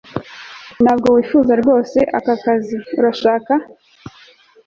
Ntabwo wifuza rwose aka kazi urashaka